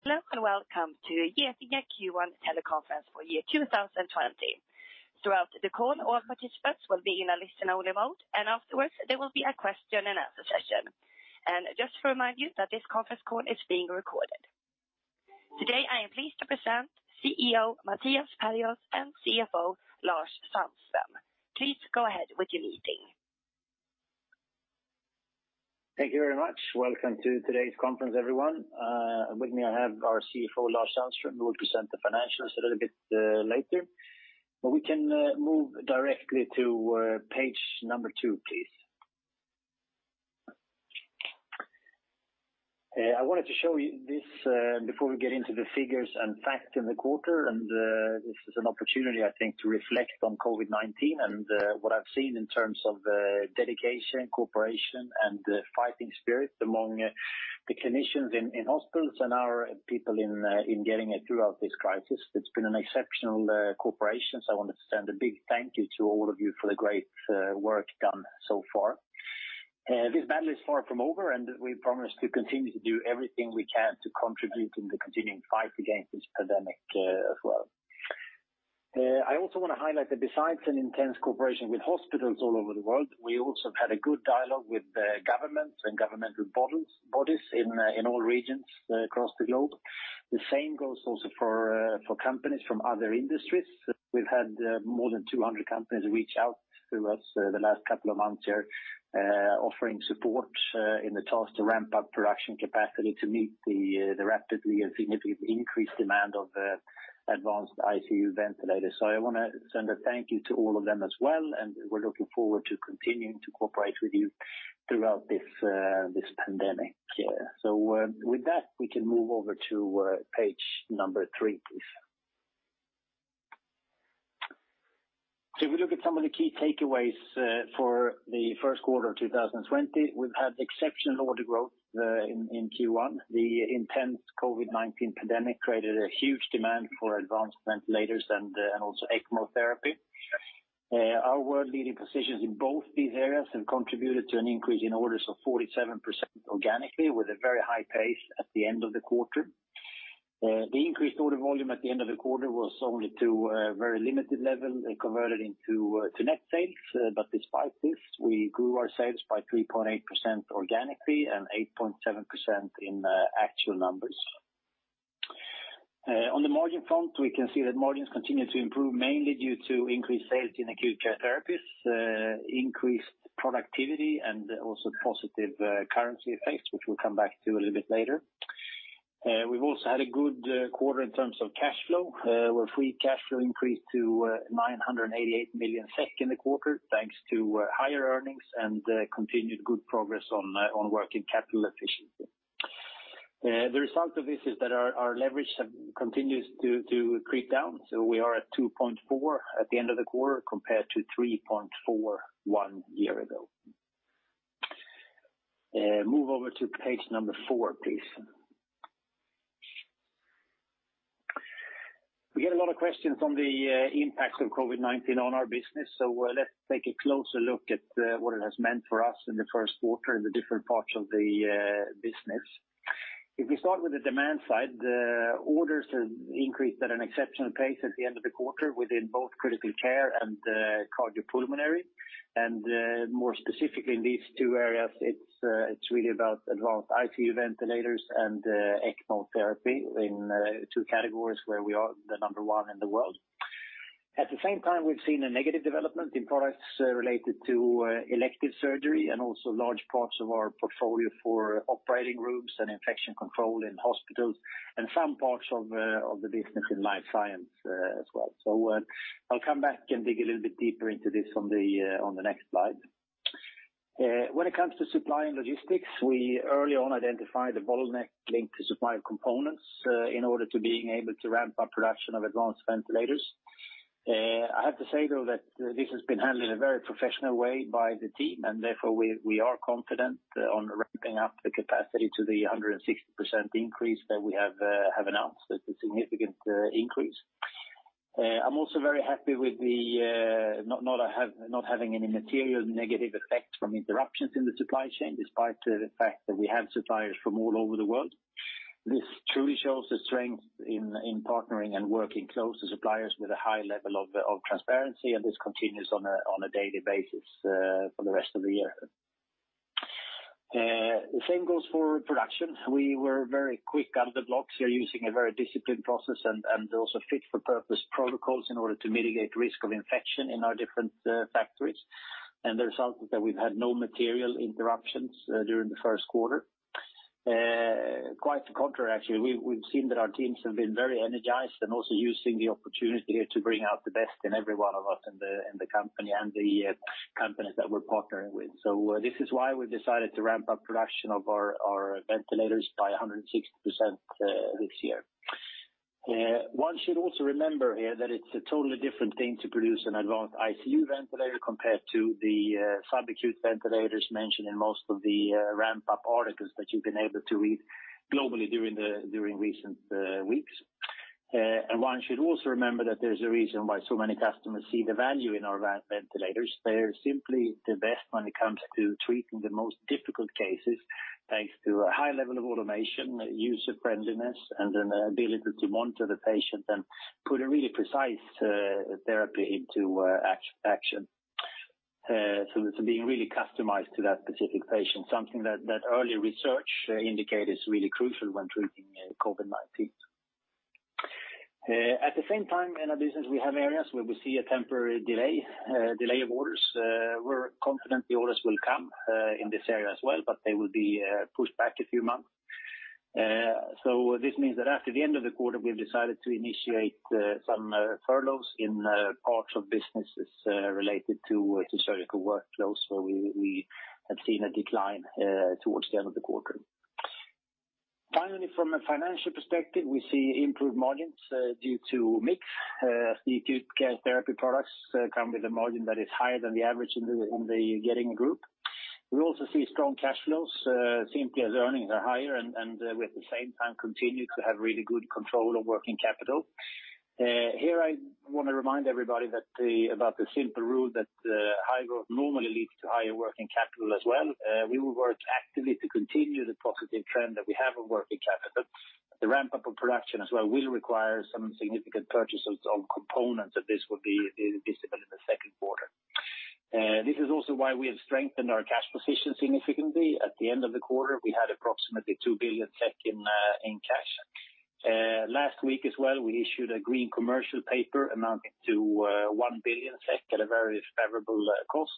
Hello and welcome to the Getinge Q1 teleconference for year 2020. Throughout the call, all participants will be in a listen-only mode, and afterwards there will be a question-and-answer session. Just to remind you that this conference call is being recorded. Today I am pleased to present CEO Mattias Perjos and CFO Lars Sandström. Please go ahead with your meeting. Thank you very much. Welcome to today's conference, everyone. With me I have our CFO, Lars Sandström. He will present the financials a little bit later. We can move directly to page number two, please. I wanted to show you this before we get into the figures and facts in the quarter. This is an opportunity, I think, to reflect on COVID-19 and what I've seen in terms of dedication, cooperation, and fighting spirit among the clinicians in hospitals and our people in Getinge throughout this crisis. It's been an exceptional cooperation, so I wanted to send a big thank you to all of you for the great work done so far. This battle is far from over, and we promise to continue to do everything we can to contribute in the continuing fight against this pandemic as well. I also want to highlight that besides an intense cooperation with hospitals all over the world, we also have had a good dialogue with governments and governmental bodies in all regions across the globe. The same goes also for companies from other industries. We've had more than 200 companies reach out to us the last couple of months here, offering support in the task to ramp up production capacity to meet the rapidly and significantly increased demand of advanced ICU ventilators. I want to send a thank you to all of them as well, and we're looking forward to continuing to cooperate with you throughout this pandemic. With that, we can move over to page number three, please. If we look at some of the key takeaways for the first quarter of 2020, we've had exceptional order growth in Q1. The intense COVID-19 pandemic created a huge demand for advanced ventilators and also ECMO therapy. Our world-leading positions in both these areas have contributed to an increase in orders of 47% organically, with a very high pace at the end of the quarter. The increased order volume at the end of the quarter was only to a very limited level converted into net sales, but despite this, we grew our sales by 3.8% organically and 8.7% in actual numbers. On the margin front, we can see that margins continue to improve, mainly due to increased sales in Acute Care Therapies, increased productivity, and also positive currency effects, which we'll come back to a little bit later. We've also had a good quarter in terms of cash flow, where free cash flow increased to 988 million SEK in the quarter, thanks to higher earnings and continued good progress on working capital efficiency. The result of this is that our leverage continues to creep down, so we are at 2.4 at the end of the quarter compared to 3.4 one year ago. Move over to page number four, please. We get a lot of questions on the impacts of COVID-19 on our business, so let's take a closer look at what it has meant for us in the first quarter in the different parts of the business. If we start with the demand side, orders have increased at an exceptional pace at the end of the quarter within both critical care and cardiopulmonary. More specifically, in these two areas, it's really about advanced ICU ventilators and ECMO therapy in two categories where we are the number one in the world. At the same time, we've seen a negative development in products related to elective surgery and also large parts of our portfolio for operating rooms and infection control in hospitals and some parts of the business in life science as well. I'll come back and dig a little bit deeper into this on the next slide. When it comes to supply and logistics, we early on identified a bottleneck linked to supply of components in order to be able to ramp up production of advanced ventilators. I have to say, though, that this has been handled in a very professional way by the team, and therefore we are confident on ramping up the capacity to the 160% increase that we have announced. It's a significant increase. I'm also very happy with the not having any material negative effects from interruptions in the supply chain, despite the fact that we have suppliers from all over the world. This truly shows the strength in partnering and working close to suppliers with a high level of transparency, and this continues on a daily basis for the rest of the year. The same goes for production. We were very quick out of the box here, using a very disciplined process and also fit-for-purpose protocols in order to mitigate risk of infection in our different factories. The result is that we've had no material interruptions during the first quarter. Quite the contrary, actually. We've seen that our teams have been very energized and also using the opportunity here to bring out the best in every one of us in the company and the companies that we're partnering with. This is why we've decided to ramp up production of our ventilators by 160% this year. One should also remember here that it's a totally different thing to produce an advanced ICU ventilator compared to the sub-acute ventilators mentioned in most of the ramp-up articles that you've been able to read globally during recent weeks. One should also remember that there's a reason why so many customers see the value in our ventilators. They're simply the best when it comes to treating the most difficult cases, thanks to a high level of automation, user-friendliness, and an ability to monitor the patient and put a really precise therapy into action. It is being really customized to that specific patient, something that early research indicated is really crucial when treating COVID-19. At the same time, in our business, we have areas where we see a temporary delay of orders. We are confident the orders will come in this area as well, but they will be pushed back a few months. This means that after the end of the quarter, we have decided to initiate some furloughs in parts of businesses related to Surgical Workflows, where we have seen a decline towards the end of the quarter. Finally, from a financial perspective, we see improved margins due to MICS. The Acute Care Therapies products come with a margin that is higher than the average in the Getinge Group. We also see strong cash flows, simply as earnings are higher, and we at the same time continue to have really good control of working capital. Here, I want to remind everybody about the simple rule that high growth normally leads to higher working capital as well. We will work actively to continue the positive trend that we have of working capital. The ramp-up of production as well will require some significant purchases of components, and this will be visible in the second quarter. This is also why we have strengthened our cash position significantly. At the end of the quarter, we had approximately 2 billion in cash. Last week as well, we issued a green commercial paper amounting to 1 billion SEK at a very favorable cost.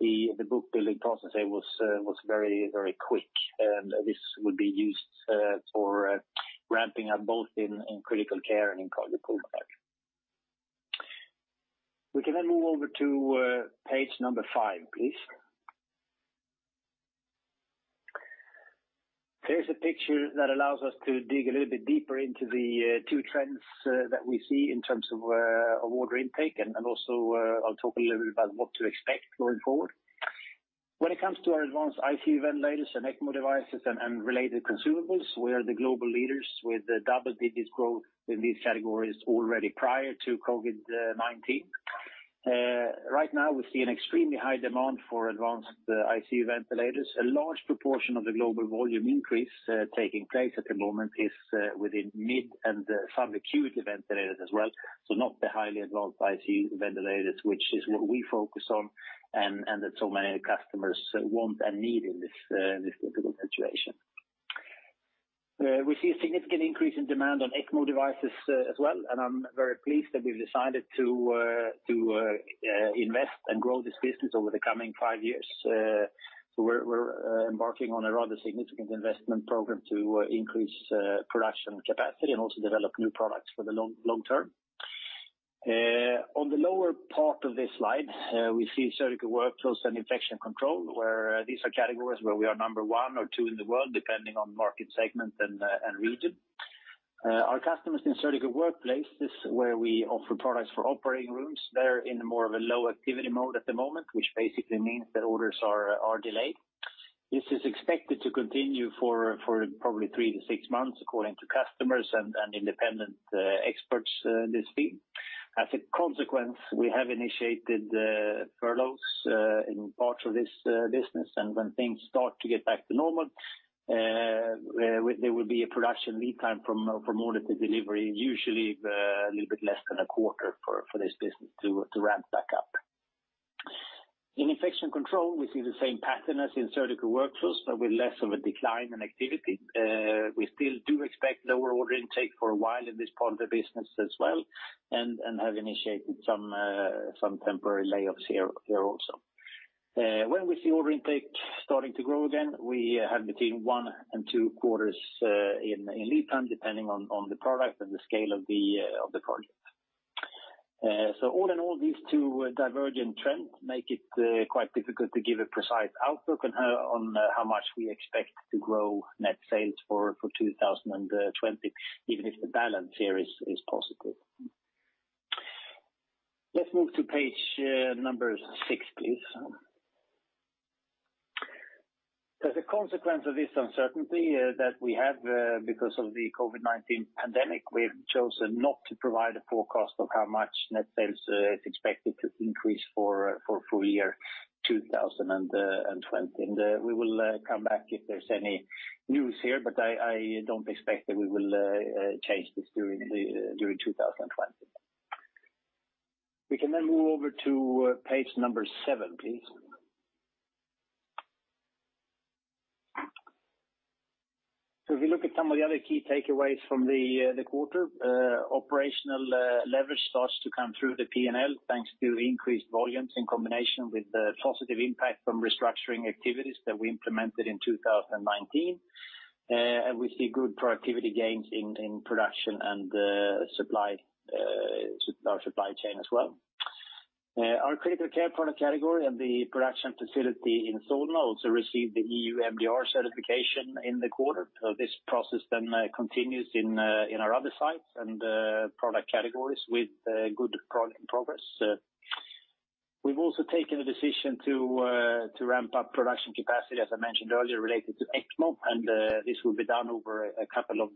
The book-building process, I would say, was very, very quick, and this will be used for ramping up both in critical care and in cardiopulmonary. We can then move over to page number five, please. Here is a picture that allows us to dig a little bit deeper into the two trends that we see in terms of order intake, and also I will talk a little bit about what to expect going forward. When it comes to our advanced ICU ventilators and ECMO devices and related consumables, we are the global leaders with double-digit growth in these categories already prior to COVID-19. Right now, we see an extremely high demand for advanced ICU ventilators. A large proportion of the global volume increase taking place at the moment is within mid and sub-acute ventilators as well, so not the highly advanced ICU ventilators, which is what we focus on and that so many customers want and need in this difficult situation. We see a significant increase in demand on ECMO devices as well, and I'm very pleased that we've decided to invest and grow this business over the coming five years. We are embarking on a rather significant investment program to increase production capacity and also develop new products for the long term. On the lower part of this slide, we see Surgical Workflows and Infection Control, where these are categories where we are number one or two in the world, depending on market segment and region. Our customers in surgical workplaces where we offer products for operating rooms, they're in more of a low activity mode at the moment, which basically means that orders are delayed. This is expected to continue for probably three to six months, according to customers and independent experts in this field. As a consequence, we have initiated furloughs in parts of this business, and when things start to get back to normal, there will be a production lead time from order to delivery, usually a little bit less than a quarter for this business to ramp back up. In Infection Control, we see the same pattern as in Surgical Workflows, but with less of a decline in activity. We still do expect lower order intake for a while in this part of the business as well, and have initiated some temporary layoffs here also. When we see order intake starting to grow again, we have between one and two quarters in lead time, depending on the product and the scale of the project. All in all, these two divergent trends make it quite difficult to give a precise outlook on how much we expect to grow net sales for 2020, even if the balance here is positive. Let's move to page number six, please. As a consequence of this uncertainty that we have because of the COVID-19 pandemic, we have chosen not to provide a forecast of how much net sales is expected to increase for full year 2020. We will come back if there's any news here, but I don't expect that we will change this during 2020. We can then move over to page number seven, please. If we look at some of the other key takeaways from the quarter, operational leverage starts to come through the P&L, thanks to increased volumes in combination with the positive impact from restructuring activities that we implemented in 2019. We see good productivity gains in production and our supply chain as well. Our critical care product category and the production facility in Solna also received the EU MDR certification in the quarter. This process then continues in our other sites and product categories with good progress. We have also taken a decision to ramp up production capacity, as I mentioned earlier, related to ECMO, and this will be done over a couple of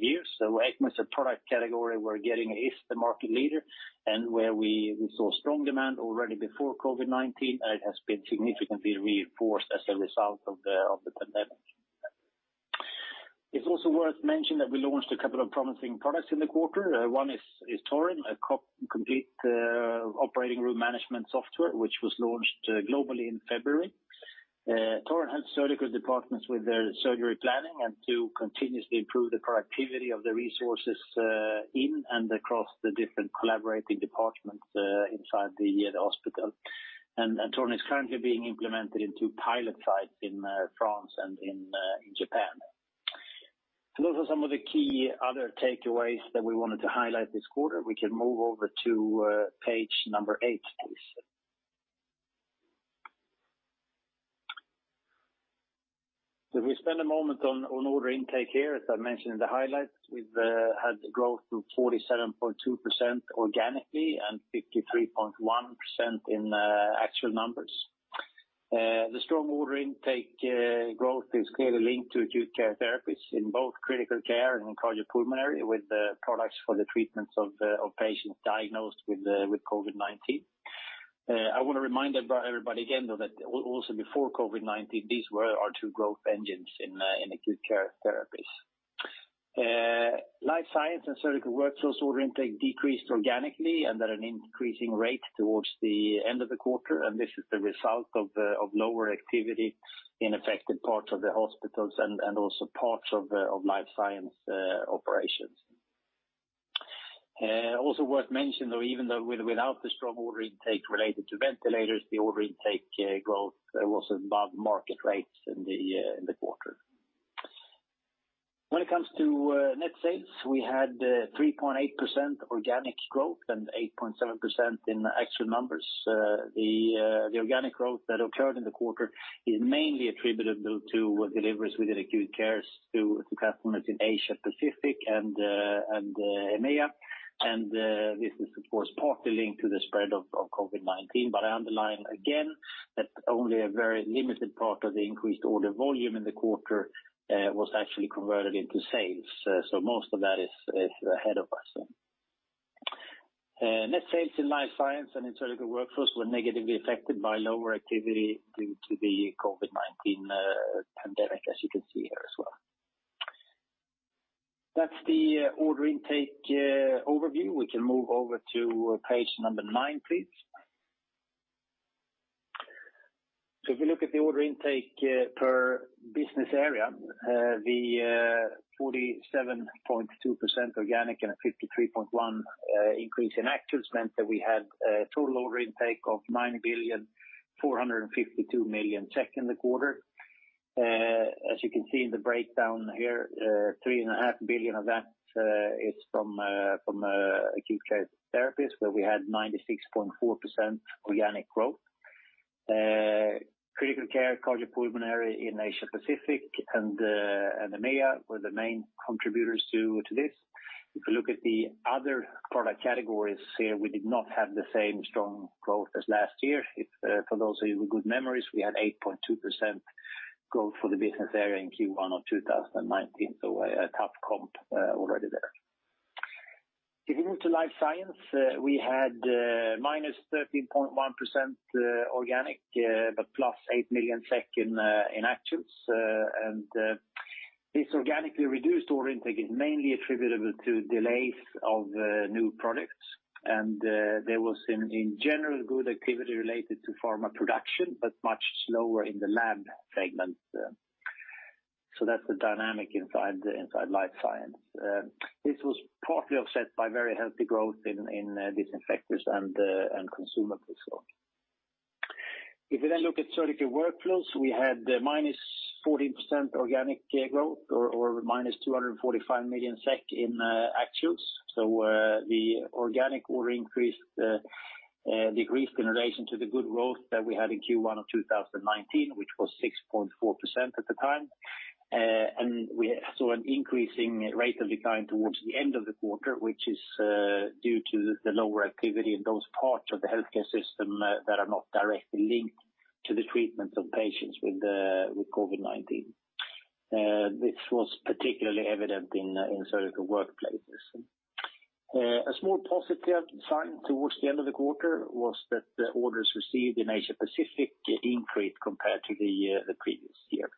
years. ECMO is a product category where Getinge is the market leader and where we saw strong demand already before COVID-19, and it has been significantly reinforced as a result of the pandemic. It's also worth mentioning that we launched a couple of promising products in the quarter. One is Torin, a complete operating room management software, which was launched globally in February. Torin helps surgical departments with their surgery planning and to continuously improve the productivity of the resources in and across the different collaborating departments inside the hospital. Torin is currently being implemented in two pilot sites in France and in Japan. Those are some of the key other takeaways that we wanted to highlight this quarter. We can move over to page number eight, please. If we spend a moment on order intake here, as I mentioned in the highlights, we've had growth of 47.2% organically and 53.1% in actual numbers. The strong order intake growth is clearly linked to Acute Care Therapies in both Critical Care and Cardiopulmonary with products for the treatments of patients diagnosed with COVID-19. I want to remind everybody again, though, that also before COVID-19, these were our two growth engines in Acute Care Therapies. Life Science and Surgical Workflows order intake decreased organically and at an increasing rate towards the end of the quarter, and this is the result of lower activity in affected parts of the hospitals and also parts of Life Science operations. Also worth mentioning, though, even though without the strong order intake related to ventilators, the order intake growth was above market rates in the quarter. When it comes to net sales, we had 3.8% organic growth and 8.7% in actual numbers. The organic growth that occurred in the quarter is mainly attributable to deliveries within Acute Care Therapies to customers in Asia-Pacific and EMEA, and this is, of course, partly linked to the spread of COVID-19. I underline again that only a very limited part of the increased order volume in the quarter was actually converted into sales, so most of that is ahead of us. Net sales in Life Science and in Surgical Workflows were negatively affected by lower activity due to the COVID-19 pandemic, as you can see here as well. That is the order intake overview. We can move over to page number nine, please. If we look at the order intake per business area, the 47.2% organic and 53.1% increase in actuals meant that we had a total order intake of 9 billion 452 million in the quarter. As you can see in the breakdown here, 3.5 billion of that is from Acute Care Therapies, where we had 96.4% organic growth. Critical Care, Cardiopulmonary in Asia-Pacific and EMEA were the main contributors to this. If we look at the other product categories here, we did not have the same strong growth as last year. For those of you with good memories, we had 8.2% growth for the business area in Q1 of 2019, so a tough comp already there. If we move to Life Science, we had -13.1% organic, but +SEK 8 million in actuals. This organically reduced order intake is mainly attributable to delays of new products, and there was, in general, good activity related to pharma production, but much slower in the lab segment. That is the dynamic inside Life Science. This was partly offset by very healthy growth in disinfectors and consumables, though. If we then look at Surgical Workflows, we had -14% organic growth or -245 million SEK in actuals. The organic order increase decreased in relation to the good growth that we had in Q1 of 2019, which was 6.4% at the time. We saw an increasing rate of decline towards the end of the quarter, which is due to the lower activity in those parts of the healthcare system that are not directly linked to the treatment of patients with COVID-19. This was particularly evident in surgical workplaces. A small positive sign towards the end of the quarter was that orders received in Asia-Pacific increased compared to the previous year.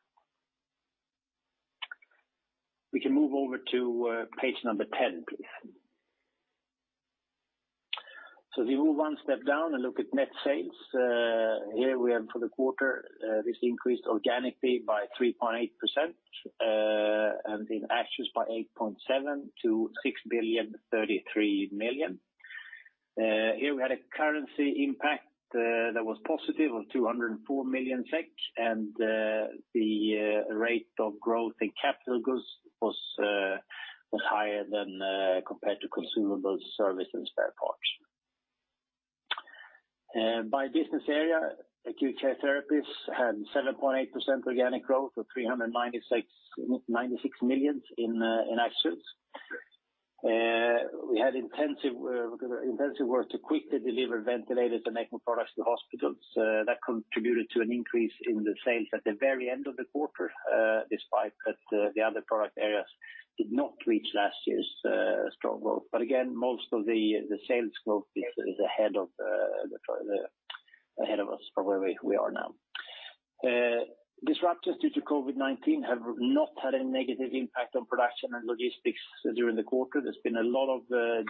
We can move over to page number ten, please. If we move one step down and look at net sales, here we have for the quarter, this increased organically by 3.8% and in actuals by 8.7% to 6 billion 33 million. Here we had a currency impact that was positive of 204 million SEK, and the rate of growth in capital goods was higher than compared to consumables, services, and spare parts. By business area, Acute Care Therapies had 7.8% organic growth of 396 million in actuals. We had intensive work to quickly deliver ventilators and ECMO products to hospitals. That contributed to an increase in the sales at the very end of the quarter, despite that the other product areas did not reach last year's strong growth. Again, most of the sales growth is ahead of us from where we are now. Disruptions due to COVID-19 have not had a negative impact on production and logistics during the quarter. There's been a lot of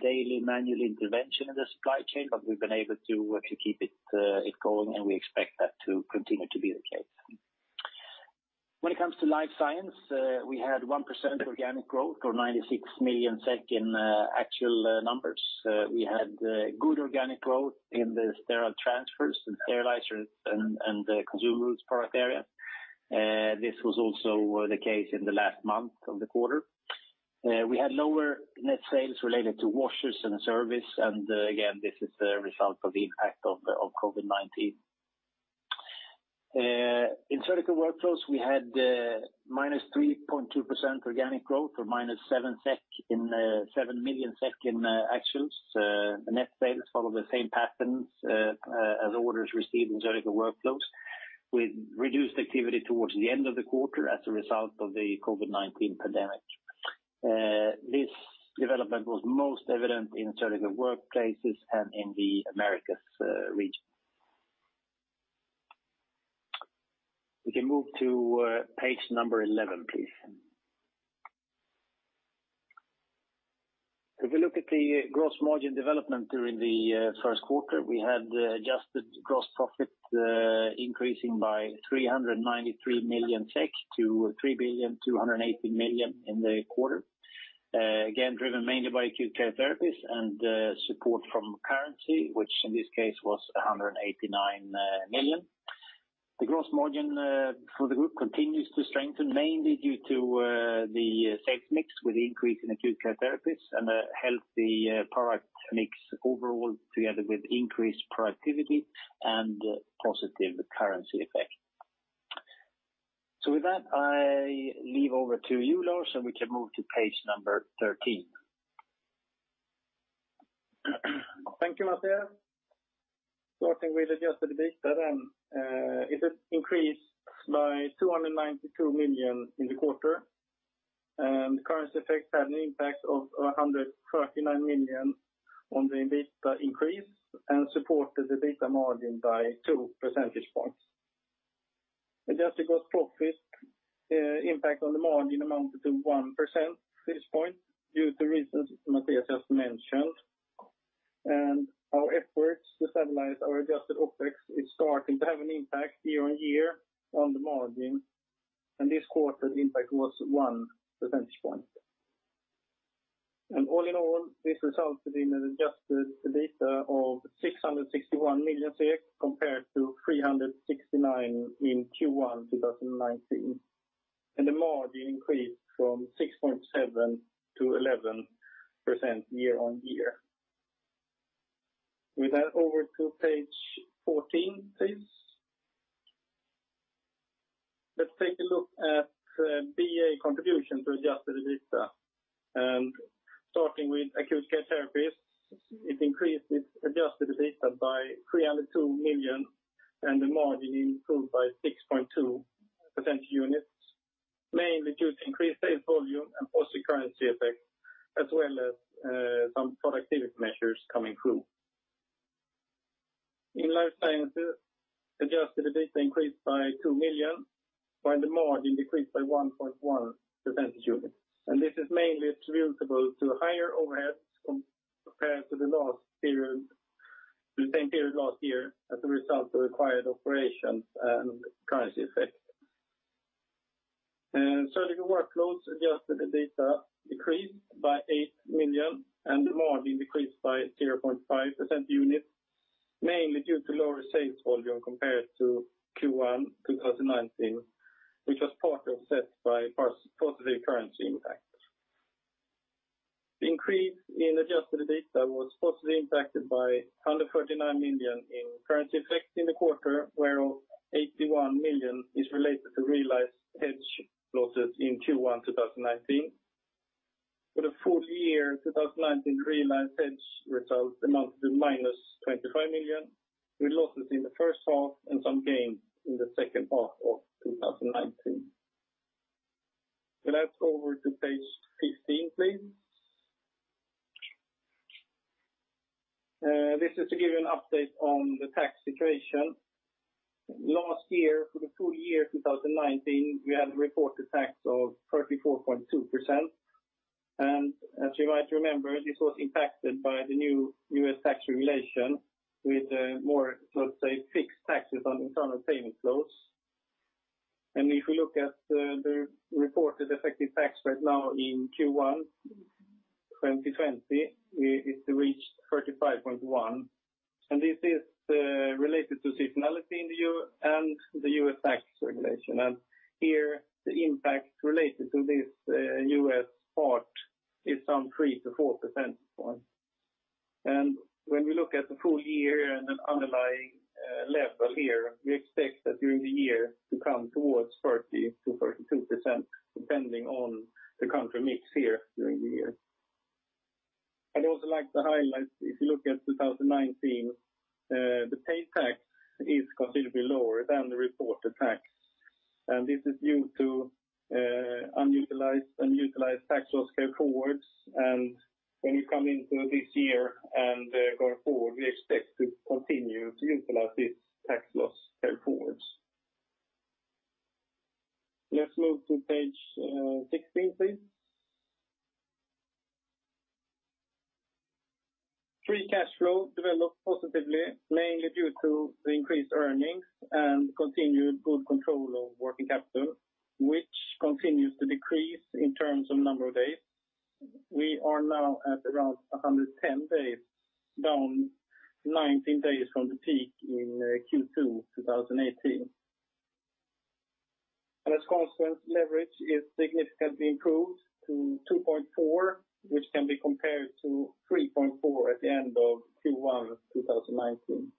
daily manual intervention in the supply chain, but we've been able to keep it going, and we expect that to continue to be the case. When it comes to Life Science, we had 1% organic growth or 96 million SEK in actual numbers. We had good organic growth in the sterile transfers and sterilizers and consumables product areas. This was also the case in the last month of the quarter. We had lower net sales related to washers and service, and again, this is the result of the impact of COVID-19. In Surgical Workflows, we had -3.2% organic growth or -7 million SEK in actuals. Net sales followed the same patterns as orders received in Surgical Workflows, with reduced activity towards the end of the quarter as a result of the COVID-19 pandemic. This development was most evident in Surgical Workplaces and in the Americas region. We can move to page number 11, please. If we look at the gross margin development during the first quarter, we had adjusted gross profit increasing by 393 million-3 billion 280 million in the quarter, again driven mainly by Acute Care Therapies and support from currency, which in this case was 189 million. The gross margin for the group continues to strengthen, mainly due to the sales mix with the increase in Acute Care Therapies and a healthy product mix overall, together with increased productivity and positive currency effect. With that, I leave over to you, Lars, and we can move to page number 13. Thank you, Mattias. Starting with adjusted EBITDA then, it increased by 292 million in the quarter, and the currency effect had an impact of 139 million on the EBITDA increase and supported the EBITDA margin by 2 percentage points. Adjusted gross profit impact on the margin amounted to 1 percentage point due to reasons Mattias just mentioned. Our efforts to stabilize our adjusted OPEX is starting to have an impact year-on-year on the margin, and this quarter the impact was 1 percentage point. All in all, this resulted in an adjusted EBITDA of 661 million SEK compared to 369 million in Q1 2019, and the margin increased from 6.7%-11% year-on-year. With that, over to page 14, please. Let's take a look at BA contribution to adjusted EBITDA. Starting with Acute Care Therapies, it increased its adjusted EBITDA by 302 million, and the margin improved by 6.2 percentage points, mainly due to increased sales volume and positive currency effect, as well as some productivity measures coming through. In Life Science, adjusted EBITDA increased by 2 million, while the margin decreased by 1.1 percentage points. This is mainly attributable to higher overheads compared to the same period last year as a result of acquired operations and currency effect. Surgical Workflows adjusted EBITDA decreased by 8 million, and the margin decreased by 0.5 percentage points, mainly due to lower sales volume compared to Q1 2019, which was partly offset by positive currency impact. The increase in adjusted EBITDA was positively impacted by 139 million in currency effect in the quarter, where 81 million is related to realized hedge losses in Q1 2019. For the full year 2019, realized hedge result amounted to -25 million, with losses in the first half and some gains in the second half of 2019. With that, over to page 15, please. This is to give you an update on the tax situation. Last year, for the full year 2019, we had a reported tax of 34.2%. As you might remember, this was impacted by the new U.S. tax regulation with more, let's say, fixed taxes on internal payment flows. If we look at the reported effective tax rate now in Q1 2020, it reached 35.1%. This is related to seasonality and the U.S. tax regulation. Here, the impact related to this U.S. part is some 3-4 percentage points. When we look at the full year and an underlying level here, we expect that during the year to come towards 30%-32%, depending on the country mix here during the year. I'd also like to highlight, if you look at 2019, the paid tax is considerably lower than the reported tax. This is due to unutilized tax loss carry forwards. When we come into this year and going forward, we expect to continue to utilize these tax loss carry forwards. Let's move to page 16, please. Free cash flow developed positively, mainly due to the increased earnings and continued good control of working capital, which continues to decrease in terms of number of days. We are now at around 110 days, down 19 days from the peak in Q2 2018. As a consequence, leverage is significantly improved to 2.4, which can be compared to 3.4 at the end of Q1 2019.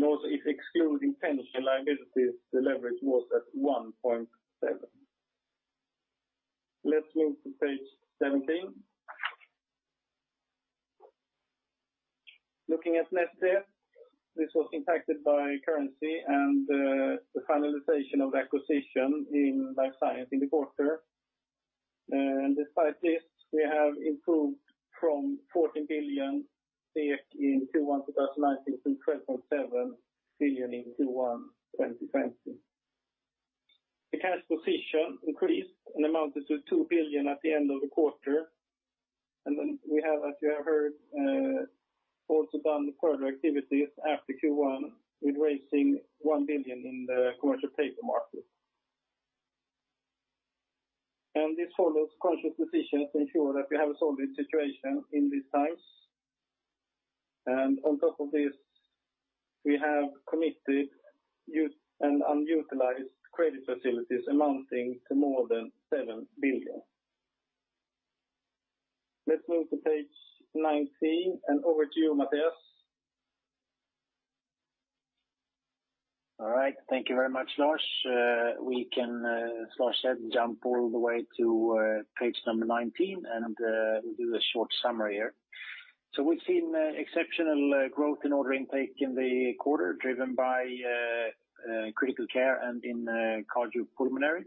Also, if excluding pension liabilities, the leverage was at 1.7. Let's move to page 17. Looking at net debt, this was impacted by currency and the finalization of acquisition in Life Science in the quarter. Despite this, we have improved from 40 billion in Q1 2019 to 12.7 billion in Q1 2020. The cash position increased and amounted to 2 billion at the end of the quarter. As you have heard, we have also done further activities after Q1, with raising 1 billion in the commercial paper market. This follows conscious decisions to ensure that we have a solid situation in these times. On top of this, we have committed and unutilized credit facilities amounting to more than 7 billion. Let's move to page 19, and over to you, Mattias. All right. Thank you very much, Lars. We can, as Lars said, jump all the way to page number 19, and we'll do a short summary here. We have seen exceptional growth in order intake in the quarter, driven by critical care and in cardiopulmonary.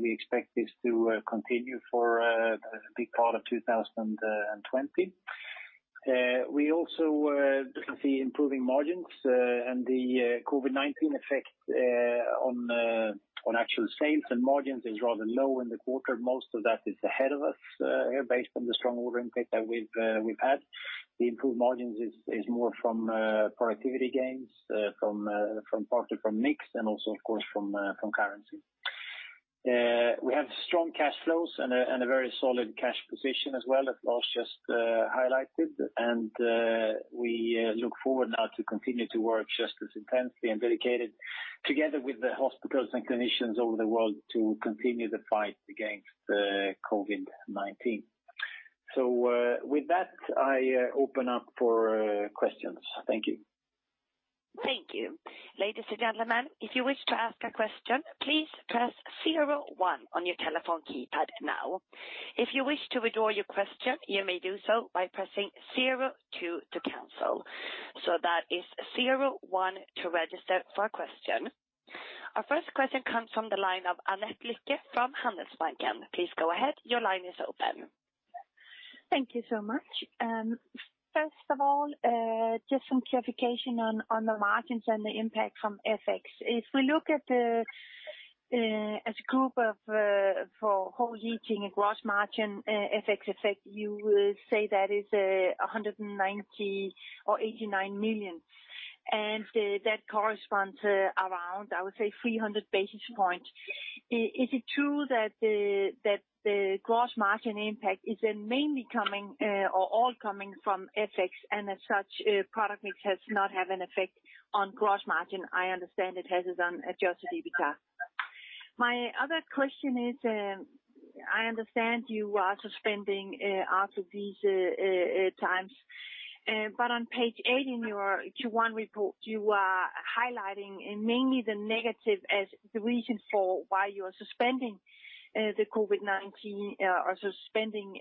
We expect this to continue for a big part of 2020. We also see improving margins, and the COVID-19 effect on actual sales and margins is rather low in the quarter. Most of that is ahead of us here, based on the strong order intake that we've had. The improved margins are more from productivity gains, partly from mix and also, of course, from currency. We have strong cash flows and a very solid cash position as well, as Lars just highlighted. We look forward now to continue to work just as intensely and dedicated, together with the hospitals and clinicians over the world, to continue the fight against COVID-19. With that, I open up for questions. Thank you. Thank you. Ladies and gentlemen, if you wish to ask a question, please press zero one on your telephone keypad now. If you wish to withdraw your question, you may do so by pressing zero two to cancel. That is zero one to register for a question. Our first question comes from the line of Annette Lykke from Handelsbanken. Please go ahead. Your line is open. Thank you so much. First of all, just some clarification on the margins and the impact from FX. If we look at the group for whole heating and gross margin FX effect, you say that is 190 or 89 million. That corresponds to around, I would say, 300 basis points. Is it true that the gross margin impact is mainly coming or all coming from FX, and as such, product mix does not have an effect on gross margin? I understand it has not done adjusted EBITDA. My other question is, I understand you are suspending out of these times, but on page 18 in your Q1 report, you are highlighting mainly the negative as the reason for why you are suspending the COVID-19 or suspending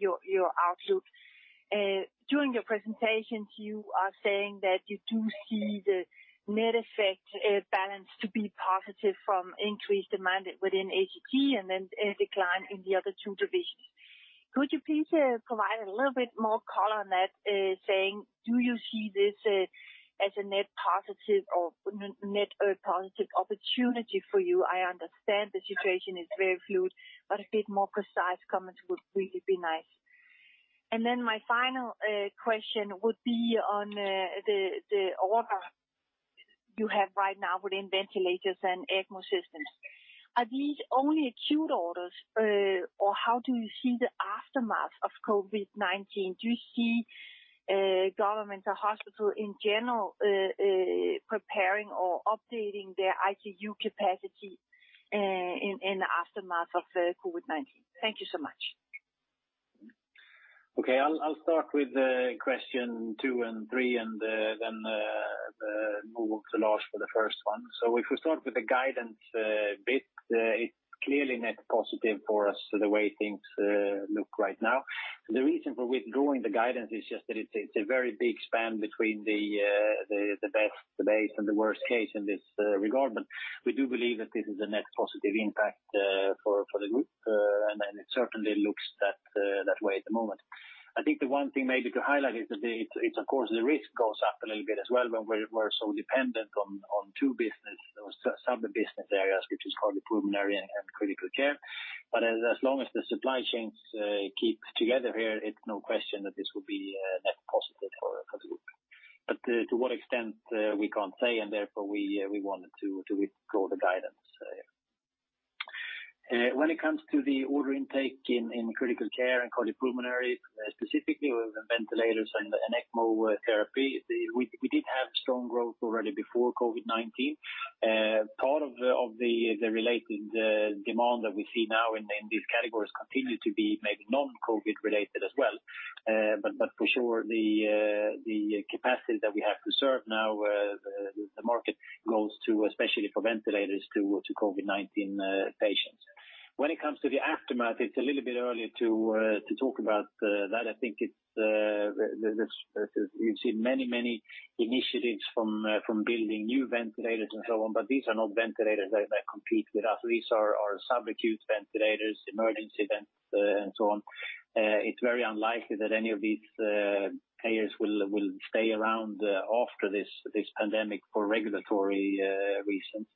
your outlook. During your presentations, you are saying that you do see the net effect balance to be positive from increased demand within ACT and then a decline in the other two divisions. Could you please provide a little bit more color on that, saying, do you see this as a net positive or net positive opportunity for you? I understand the situation is very fluid, but a bit more precise comments would really be nice. My final question would be on the order you have right now within ventilators and ECMO systems. Are these only acute orders, or how do you see the aftermath of COVID-19? Do you see governments or hospitals in general preparing or updating their ICU capacity in the aftermath of COVID-19? Thank you so much. Okay. I'll start with question two and three, and then move over to Lars for the first one. If we start with the guidance bit, it's clearly net positive for us the way things look right now. The reason for withdrawing the guidance is just that it's a very big span between the best, the base, and the worst case in this regard. We do believe that this is a net positive impact for the group, and it certainly looks that way at the moment. I think the one thing maybe to highlight is that, of course, the risk goes up a little bit as well when we're so dependent on two business or sub-business areas, which is cardiopulmonary and critical care. As long as the supply chains keep together here, it's no question that this will be net positive for the group. To what extent, we can't say, and therefore we wanted to withdraw the guidance. When it comes to the order intake in critical care and cardiopulmonary specifically, with ventilators and ECMO therapy, we did have strong growth already before COVID-19. Part of the related demand that we see now in these categories continues to be maybe non-COVID related as well. For sure, the capacity that we have to serve now, the market goes to, especially for ventilators, to COVID-19 patients. When it comes to the aftermath, it's a little bit early to talk about that. I think you've seen many, many initiatives from building new ventilators and so on, but these are not ventilators that compete with us. These are sub-acute ventilators, emergency vents, and so on. It's very unlikely that any of these payers will stay around after this pandemic for regulatory reasons.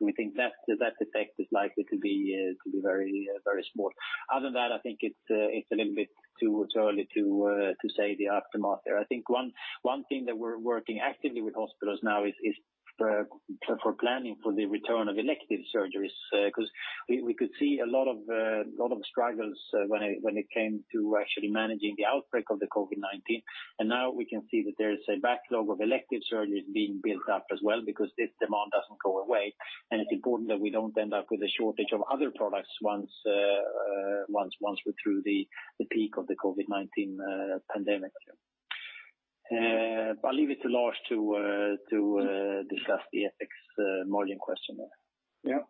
We think that effect is likely to be very small. Other than that, I think it's a little bit too early to say the aftermath here. I think one thing that we're working actively with hospitals now is for planning for the return of elective surgeries, because we could see a lot of struggles when it came to actually managing the outbreak of the COVID-19. We can see that there's a backlog of elective surgeries being built up as well, because this demand doesn't go away. It's important that we don't end up with a shortage of other products once we're through the peak of the COVID-19 pandemic. I'll leave it to Lars to discuss the FX margin question there. Yeah.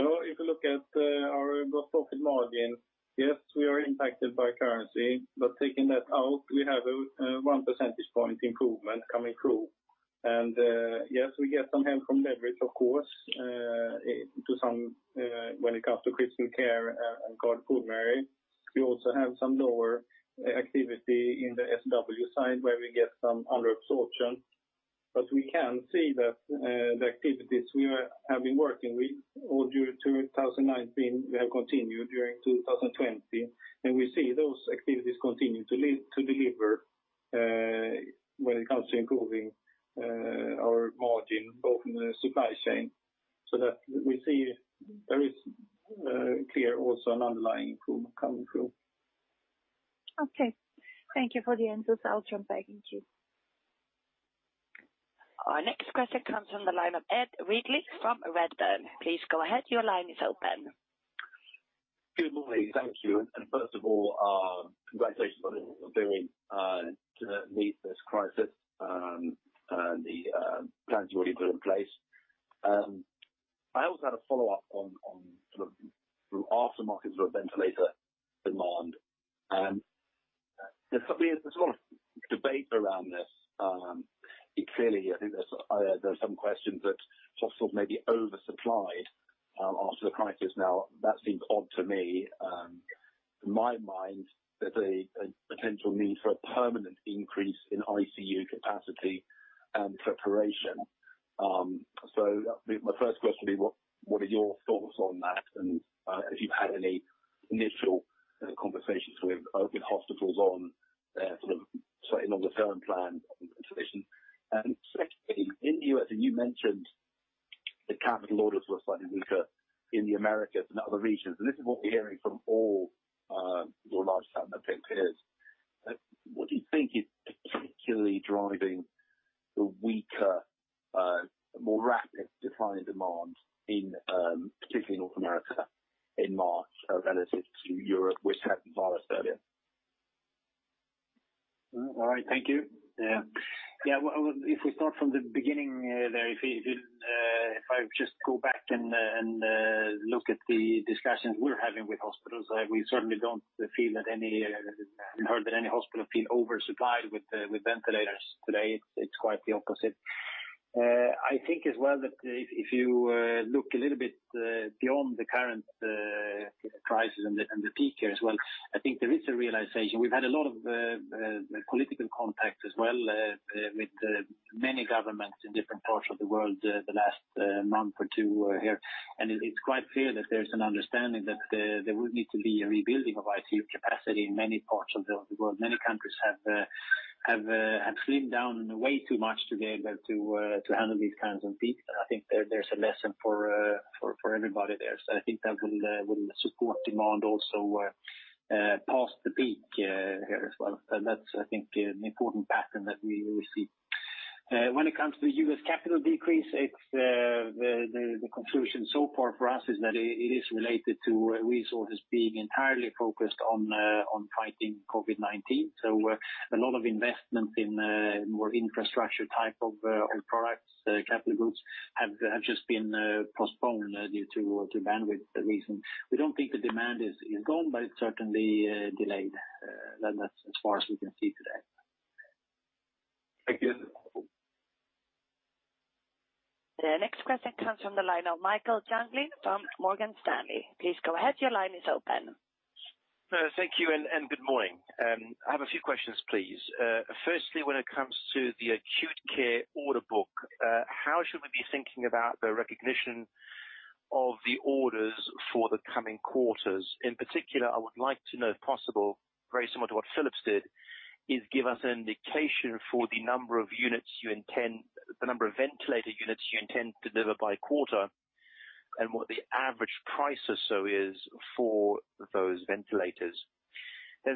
If we look at our gross profit margin, yes, we are impacted by currency. Taking that out, we have a 1 percentage point improvement coming through. Yes, we get some help from leverage, of course, when it comes to critical care and cardiopulmonary. We also have some lower activity in the SW side, where we get some underabsorption. We can see that the activities we have been working with all due to 2019, we have continued during 2020. We see those activities continue to deliver when it comes to improving our margin, both in the supply chain. We see there is clearly also an underlying improvement coming through. Thank you for the answers. I'll jump back into you. Our next question comes from the line of Ed Ridley from Redburn. Please go ahead. Your line is open. Good morning. Thank you. First of all, congratulations on being able to meet this crisis and the plans you already put in place. I also had a follow-up on aftermarket ventilator demand. There is a lot of debate around this. Clearly, I think there are some questions that hospitals may be oversupplied after the crisis. That seems odd to me. In my mind, there is a potential need for a permanent increase in ICU capacity and preparation. My first question would be, what are your thoughts on that? If you've had any initial conversations with hospitals on sort of slightly longer-term planned ventilation. Secondly, in the U.S., you mentioned the capital orders were slightly weaker in the Americas and other regions. This is what we're hearing from all your large partner peers. What do you think is particularly driving the weaker, more rapid decline in demand, particularly in North America in March relative to Europe, which had the virus earlier? All right. Thank you. Yeah. If we start from the beginning there, if I just go back and look at the discussions we're having with hospitals, we certainly don't feel that any I haven't heard that any hospital feel oversupplied with ventilators today. It's quite the opposite. I think as well that if you look a little bit beyond the current crisis and the peak here as well, I think there is a realization. We've had a lot of political contact as well with many governments in different parts of the world the last month or two here. It's quite clear that there's an understanding that there would need to be a rebuilding of ICU capacity in many parts of the world. Many countries have slimmed down way too much to be able to handle these kinds of peaks. I think there's a lesson for everybody there. I think that will support demand also past the peak here as well. That's, I think, an important pattern that we see. When it comes to U.S. capital decrease, the conclusion so far for us is that it is related to resources being entirely focused on fighting COVID-19. A lot of investments in more infrastructure type of products, capital goods, have just been postponed due to bandwidth reasons. We do not think the demand is gone, but it is certainly delayed, as far as we can see today. The next question comes from the line of Michael Jüngling from Morgan Stanley. Please go ahead. Your line is open. Thank you and good morning. I have a few questions, please. Firstly, when it comes to the acute care order book, how should we be thinking about the recognition of the orders for the coming quarters? In particular, I would like to know if possible, very similar to what Philips did, is give us an indication for the number of units you intend, the number of ventilator units you intend to deliver by quarter, and what the average price or so is for those ventilators.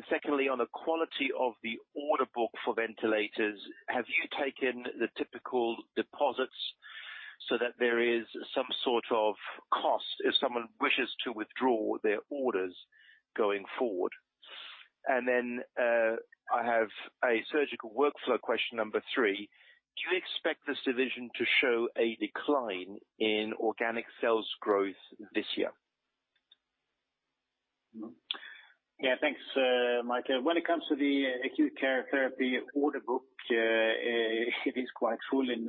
Secondly, on the quality of the order book for ventilators, have you taken the typical deposits so that there is some sort of cost if someone wishes to withdraw their orders going forward? I have a Surgical Workflows question number three. Do you expect this division to show a decline in organic sales growth this year? Yeah. Thanks, Michael. When it comes to the Acute Care Therapies order book, it is quite full in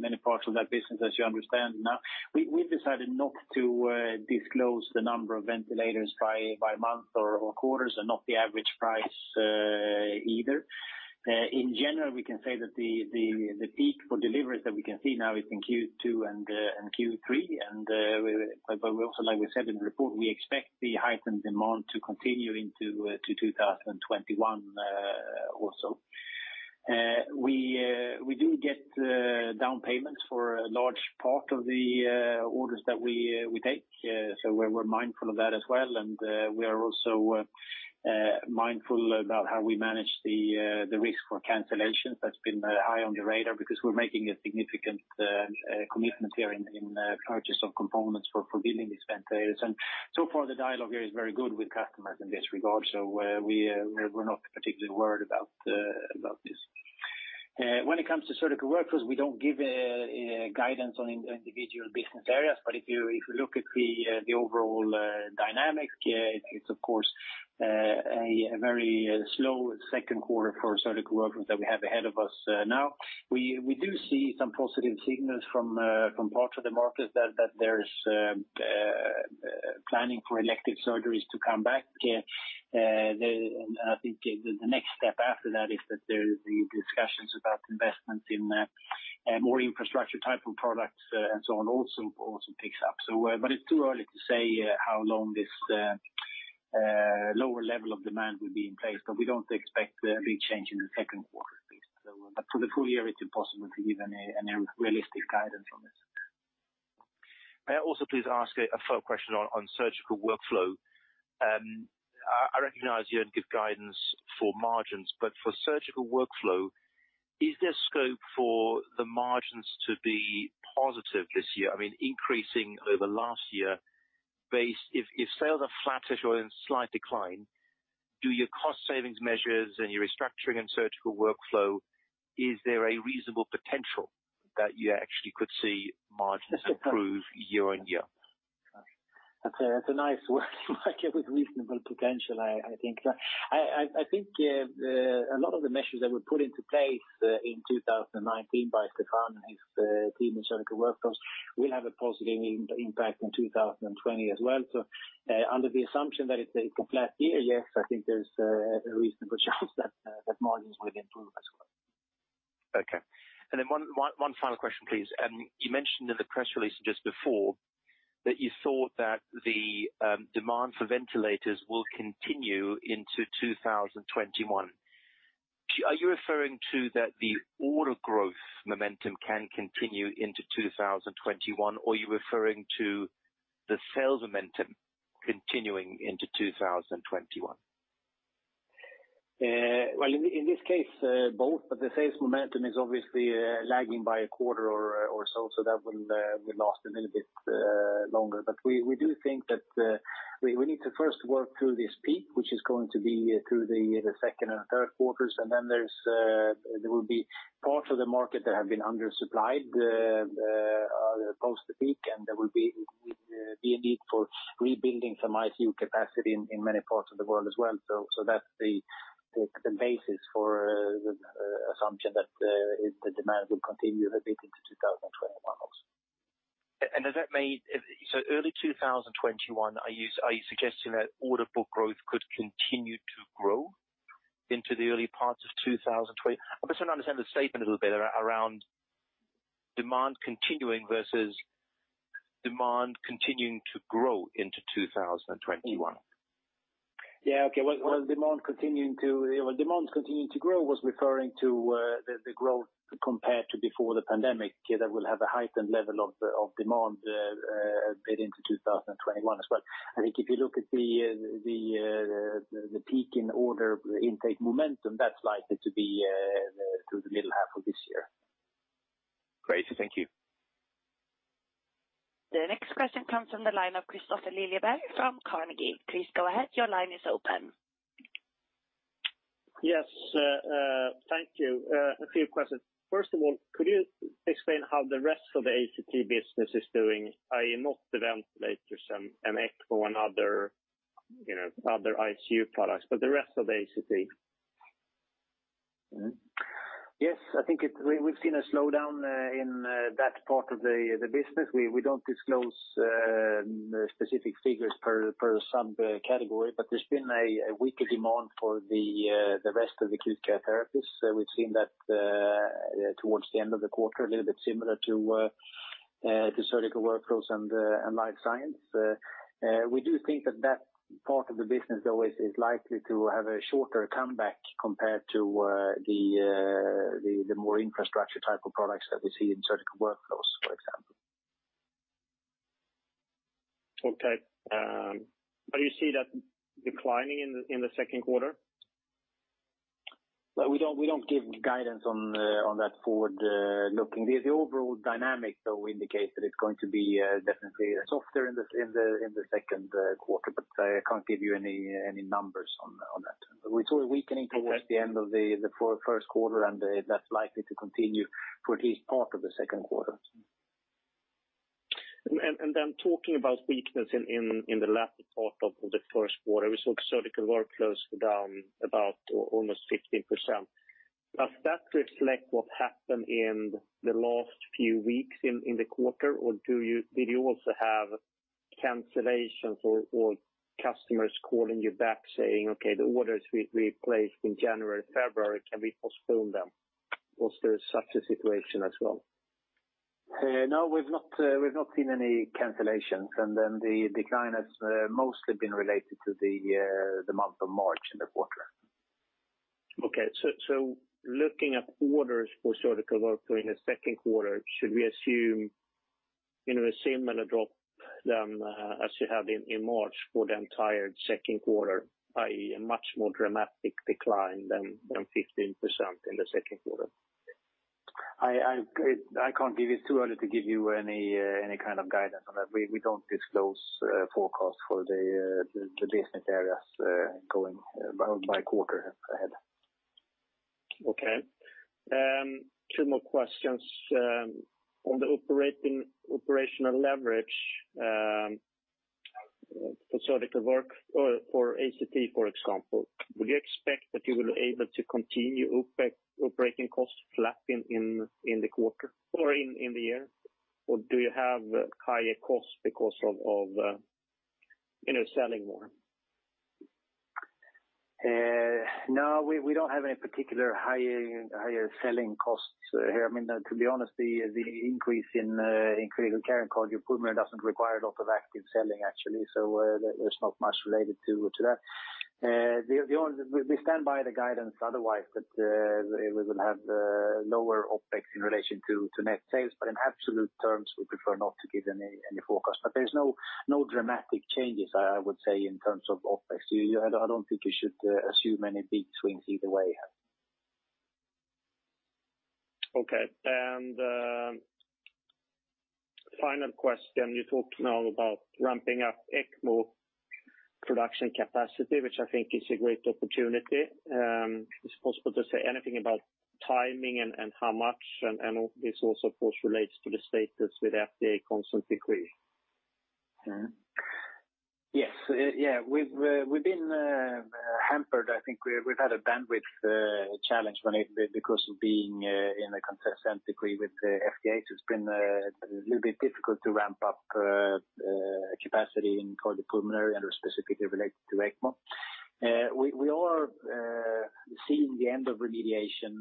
many parts of that business, as you understand now. We've decided not to disclose the number of ventilators by month or quarters and not the average price either. In general, we can say that the peak for deliveries that we can see now is in Q2 and Q3. Like we said in the report, we expect the heightened demand to continue into 2021 also. We do get down payments for a large part of the orders that we take. We're mindful of that as well. We are also mindful about how we manage the risk for cancellations. That's been high on the radar because we're making a significant commitment here in purchase of components for dealing with ventilators. So far, the dialogue here is very good with customers in this regard. We're not particularly worried about this. When it comes to Surgical Workflows, we don't give guidance on individual business areas. If you look at the overall dynamic, it's, of course, a very slow second quarter for Surgical Workflows that we have ahead of us now. We do see some positive signals from parts of the market that there's planning for elective surgeries to come back. I think the next step after that is that the discussions about investments in more infrastructure type of products and so on also picks up. It's too early to say how long this lower level of demand will be in place. We don't expect a big change in the second quarter, at least. For the full year, it's impossible to give any realistic guidance on this. May I also please ask a follow-up question on Surgical Workflows? I recognize you don't give guidance for margins, but for Surgical Workflows, is there scope for the margins to be positive this year? I mean, increasing over last year, if sales are flattish or in slight decline, do your cost savings measures and your restructuring and Surgical Workflows, is there a reasonable potential that you actually could see margins improve year-on-year? That's a nice word, Michael, with reasonable potential, I think. I think a lot of the measures that were put into place in 2019 by Stéphane and his team in Surgical Workflows will have a positive impact in 2020 as well. Under the assumption that it's a flat year, yes, I think there's a reasonable chance that margins will improve as well. Okay. One final question, please. You mentioned in the press release just before that you thought that the demand for ventilators will continue into 2021. Are you referring to that the order growth momentum can continue into 2021, or are you referring to the sales momentum continuing into 2021? In this case, both. The sales momentum is obviously lagging by a quarter or so, so that will last a little bit longer. We do think that we need to first work through this peak, which is going to be through the second and third quarters. There will be parts of the market that have been undersupplied post the peak, and there will be a need for rebuilding some ICU capacity in many parts of the world as well. That is the basis for the assumption that the demand will continue a bit into 2021 also. Does that mean early 2021, are you suggesting that order book growth could continue to grow into the early parts of 2021? I'm just trying to understand the statement a little bit around demand continuing versus demand continuing to grow into 2021. Yeah. Okay. Demand continuing to demand continuing to grow was referring to the growth compared to before the pandemic that will have a heightened level of demand a bit into 2021 as well. I think if you look at the peak in order intake momentum, that's likely to be through the middle half of this year. Great. Thank you. The next question comes from the line of Kristofer Liljeberg from Carnegie. Please go ahead. Your line is open. Yes. Thank you. A few questions. First of all, could you explain how the rest of the ACT business is doing, i.e., not the ventilators and ECMO and other ICU products, but the rest of the ACT? Yes. I think we've seen a slowdown in that part of the business. We don't disclose specific figures per subcategory, but there's been a weaker demand for the rest of the Acute Care Therapies. We've seen that towards the end of the quarter, a little bit similar to Surgical Workflows and Life Science. We do think that that part of the business, though, is likely to have a shorter comeback compared to the more infrastructure type of products that we see in Surgical Workflows, for example. Okay. You see that declining in the second quarter? We don't give guidance on that forward-looking. The overall dynamic, though, indicates that it's going to be definitely softer in the second quarter, but I can't give you any numbers on that. We saw a weakening towards the end of the first quarter, and that's likely to continue for at least part of the second quarter. Talking about weakness in the latter part of the first quarter, we saw Surgical Workflows down about almost 15%. Does that reflect what happened in the last few weeks in the quarter, or did you also have cancellations or customers calling you back saying, "Okay, the orders we placed in January and February, can we postpone them?" Was there such a situation as well? No, we've not seen any cancellations. The decline has mostly been related to the month of March in the quarter. Okay. Looking at orders for Surgical Workflows in the second quarter, should we assume a similar drop as you had in March for the entire second quarter, i.e., a much more dramatic decline than 15% in the second quarter? I can't give you, it's too early to give you any kind of guidance on that. We don't disclose forecasts for the business areas going by quarter ahead. Okay. Two more questions. On the operational leverage for Surgical Workflows or for ACT, for example, would you expect that you will be able to continue operating costs flat in the quarter or in the year? Or do you have higher costs because of selling more? No, we don't have any particular higher selling costs here. I mean, to be honest, the increase in Critical Care and Cardiopulmonary doesn't require a lot of active selling, actually. So there's not much related to that. We stand by the guidance otherwise that we will have lower OpEx in relation to net sales. In absolute terms, we prefer not to give any forecast. There are no dramatic changes, I would say, in terms of OpEx. I don't think you should assume any big swings either way. Okay. Final question. You talked now about ramping up ECMO production capacity, which I think is a great opportunity. Is it possible to say anything about timing and how much? This also, of course, relates to the status with FDA consent decree. Yes. Yeah. We've been hampered. I think we've had a bandwidth challenge because of being in a consent decree with the FDA. It's been a little bit difficult to ramp up capacity in cardiopulmonary and specifically related to ECMO. We are seeing the end of remediation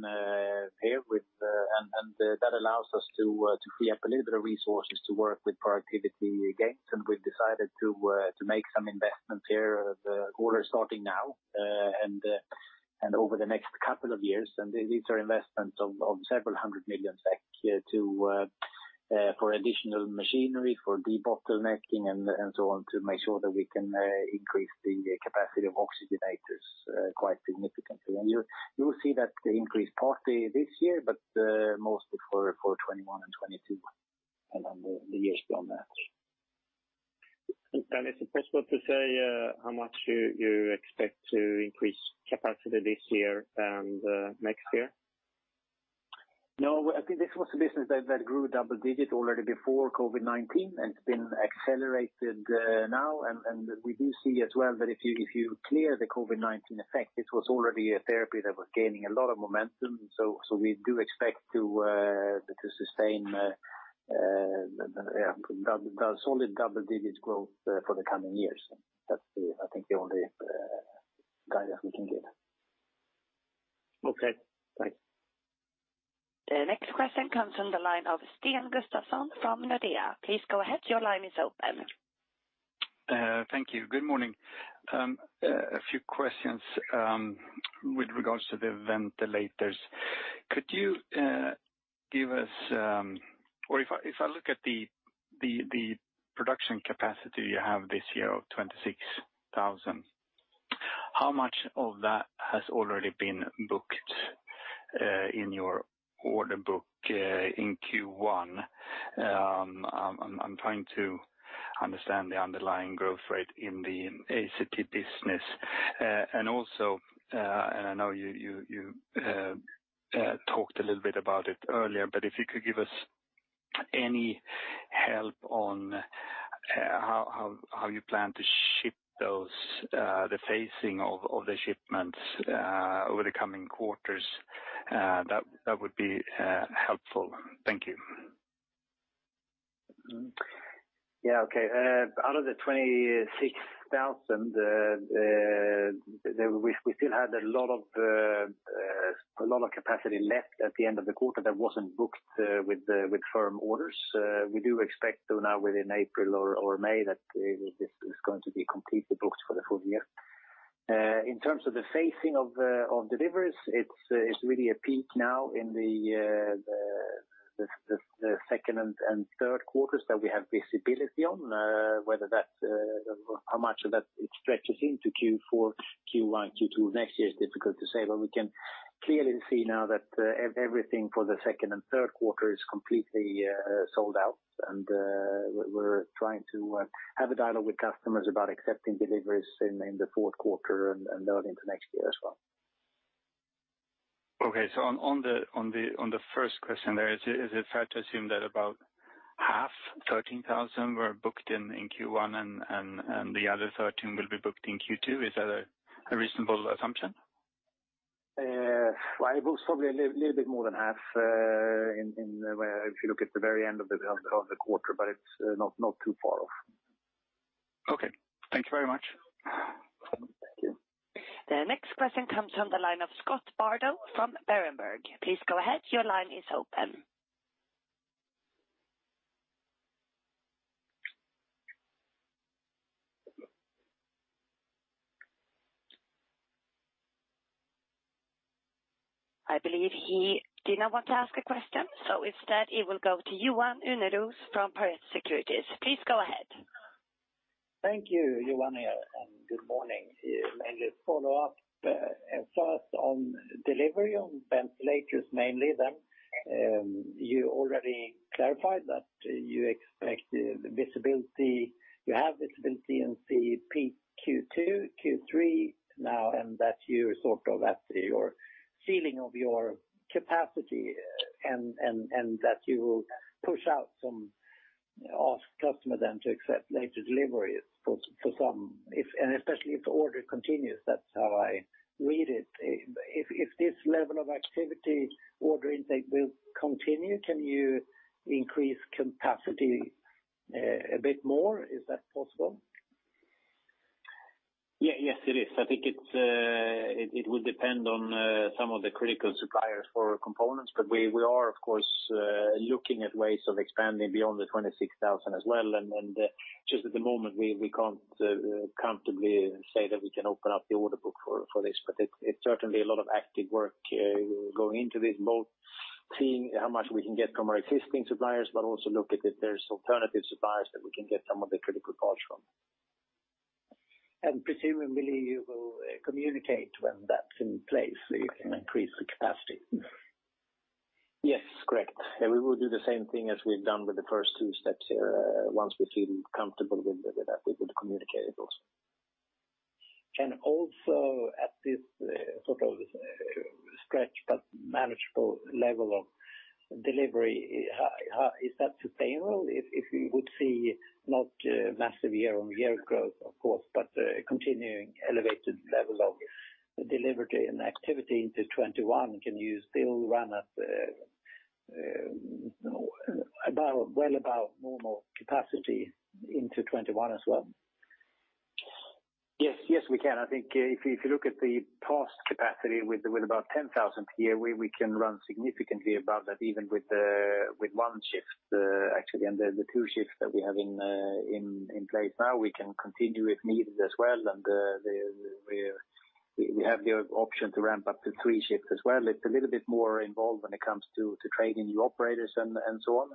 here, and that allows us to free up a little bit of resources to work with productivity gains. We've decided to make some investments here, orders starting now and over the next couple of years. These are investments of several hundred million SEK for additional machinery for debottlenecking and so on to make sure that we can increase the capacity of oxygenators quite significantly. You will see that increase partly this year, but mostly for 2021 and 2022 and the years beyond that. Is it possible to say how much you expect to increase capacity this year and next year? No. This was a business that grew double-digit already before COVID-19, and it has been accelerated now. We do see as well that if you clear the COVID-19 effect, it was already a therapy that was gaining a lot of momentum. We do expect to sustain solid double-digit growth for the coming years. That is, I think, the only guidance we can give. Okay. Thanks. The next question comes from the line of Sten Gustafsson from Nordea. Please go ahead. Your line is open. Thank you. Good morning. A few questions with regards to the ventilators. Could you give us, or if I look at the production capacity you have this year of 26,000, how much of that has already been booked in your order book in Q1? I'm trying to understand the underlying growth rate in the ACT business. Also, I know you talked a little bit about it earlier, but if you could give us any help on how you plan to ship those, the phasing of the shipments over the coming quarters, that would be helpful. Thank you. Yeah. Okay. Out of the 26,000, we still had a lot of capacity left at the end of the quarter that wasn't booked with firm orders. We do expect now within April or May that this is going to be completely booked for the full year. In terms of the phasing of deliveries, it's really a peak now in the second and third quarters that we have visibility on. Whether that's how much of that stretches into Q4, Q1, Q2 next year is difficult to say. We can clearly see now that everything for the second and third quarter is completely sold out. We are trying to have a dialogue with customers about accepting deliveries in the fourth quarter and early into next year as well. Okay. On the first question there, is it fair to assume that about half, 13,000, were booked in Q1 and the other 13 will be booked in Q2? Is that a reasonable assumption? It was probably a little bit more than half if you look at the very end of the quarter, but it's not too far off. Okay. Thanks very much. Thank you. The next question comes from the line of Scott Bardo from Berenberg. Please go ahead. Your line is open. I believe he did not want to ask a question, so instead, it will go to Johan Unnérus from Pareto Securities. Please go ahead. Thank you, Johan, and good morning. Mainly follow up and start on delivery on ventilators, mainly then. You already clarified that you expect visibility; you have visibility in the peak Q2, Q3 now, and that you're sort of at your ceiling of your capacity and that you will push out some customers then to accept later deliveries for some, especially if the order continues. That's how I read it. If this level of activity, order intake, will continue, can you increase capacity a bit more? Is that possible? Yes, it is. I think it will depend on some of the critical suppliers for components. We are, of course, looking at ways of expanding beyond the 26,000 as well. At the moment, we cannot comfortably say that we can open up the order book for this. It is certainly a lot of active work going into this, both seeing how much we can get from our existing suppliers, but also looking at if there are alternative suppliers that we can get some of the critical parts from. Presumably, you will communicate when that is in place so you can increase the capacity. Yes, correct. We will do the same thing as we have done with the first two steps here. Once we feel comfortable with that, we will communicate it also. Also, at this sort of stretch, but manageable level of delivery, is that sustainable? If you would see not massive year-on-year growth, of course, but continuing elevated level of delivery and activity into 2021, can you still run at well above normal capacity into 2021 as well? Yes. Yes, we can. I think if you look at the past capacity with about 10,000 per year, we can run significantly above that even with one shift, actually. The two shifts that we have in place now, we can continue if needed as well. We have the option to ramp up to three shifts as well. It is a little bit more involved when it comes to training new operators and so on,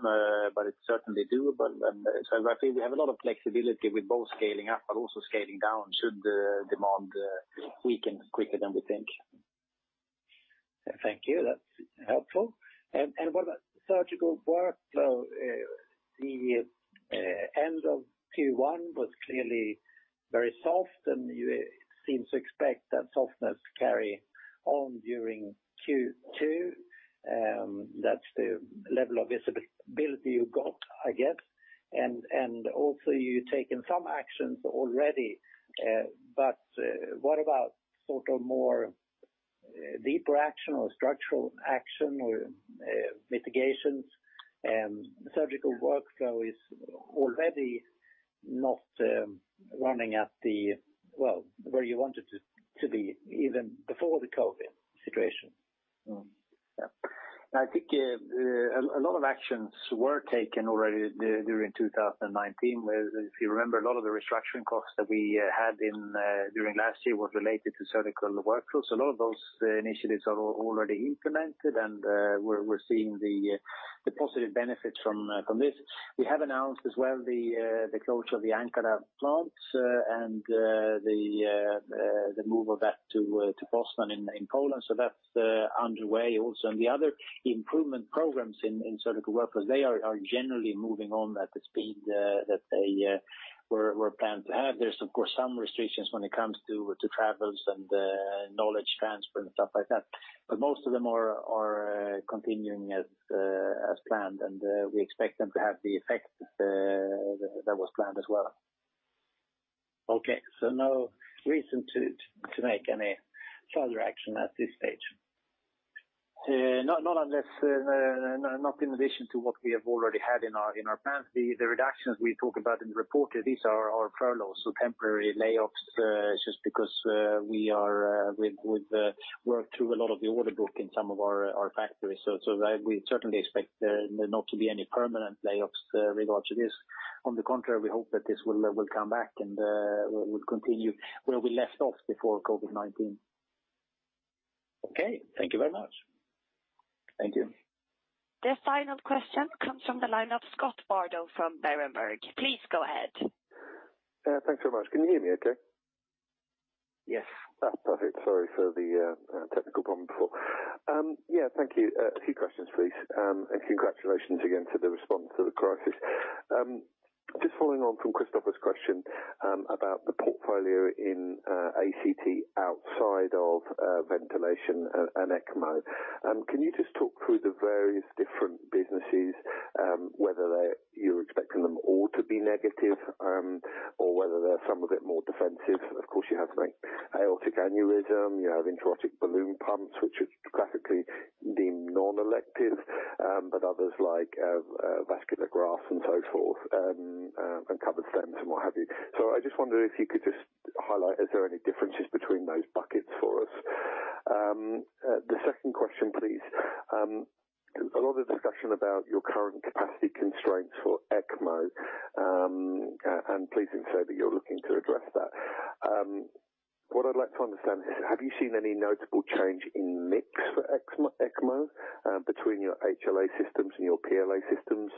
but it is certainly doable. I think we have a lot of flexibility with both scaling up but also scaling down should demand weaken quicker than we think. Thank you. That is helpful. What about surgical workflow? The end of Q1 was clearly very soft, and you seem to expect that softness to carry on during Q2. That's the level of visibility you got, I guess. Also, you've taken some actions already. What about sort of more deeper action or structural action or mitigations? Surgical Workflows is already not running at the, well, where you want it to be even before the COVID-19 situation. Yeah. I think a lot of actions were taken already during 2019. If you remember, a lot of the restructuring costs that we had during last year were related to Surgical Workflows. A lot of those initiatives are already implemented, and we're seeing the positive benefits from this. We have announced as well the closure of the Ankara plant and the move of that to Poznań in Poland. That's underway also. The other improvement programs in Surgical Workflows are generally moving on at the speed that they were planned to have. There are, of course, some restrictions when it comes to travels and knowledge transfer and stuff like that. Most of them are continuing as planned, and we expect them to have the effect that was planned as well. Okay. There is no reason to make any further action at this stage. Not unless, not in addition to what we have already had in our plans. The reductions we talk about in the report, these are furloughs, so temporary layoffs just because we have worked through a lot of the order book in some of our factories. We certainly expect there not to be any permanent layoffs regarding this. On the contrary, we hope that this will come back and will continue where we left off before COVID-19. Okay. Thank you very much. Thank you. The final question comes from the line of Scott Bardo from Berenberg. Please go ahead. Thanks very much. Can you hear me okay? Yes. Perfect. Sorry for the technical problem before. Yeah. Thank you. A few questions, please. And congratulations again to the response to the crisis. Just following on from Kristofer's question about the portfolio in ACT outside of ventilation and ECMO, can you just talk through the various different businesses, whether you're expecting them all to be negative or whether they're some of it more defensive? Of course, you have aortic aneurysm. You have intra-aortic balloon pumps, which are classically deemed non-elective, but others like vascular grafts and so forth and covered stents and what have you. I just wondered if you could just highlight, is there any differences between those buckets for us? The second question, please. A lot of discussion about your current capacity constraints for ECMO, and please say that you're looking to address that. What I'd like to understand is, have you seen any notable change in mix for ECMO between your HLS systems and your PLS systems?